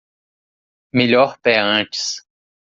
Melhor pé antes